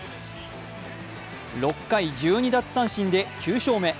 ６回１２奪三振で９勝目。